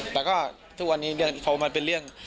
แต่ก็ทุกวันนี้พอมันเป็นเรื่อง